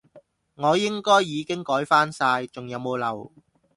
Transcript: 我應該已經改返晒，仲有冇漏？